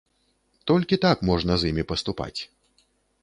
Толькі так можна з імі паступаць.